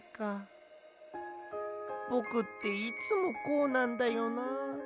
ぼくっていつもこうなんだよな。